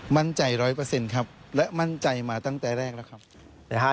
มั่นใจร้อยเปอร์เซ็นต์ครับและมั่นใจมาตั้งแต่แรกแล้วครับ